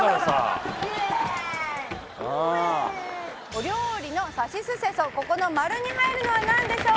お料理のさしすせそここの丸に入るのは何でしょう？